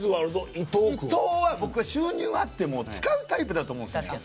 伊藤は、僕は収入があっても使うタイプだと思うんですよ。